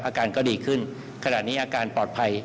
อาการก็ดีขึ้นขณะนี้อาการปลอดภัย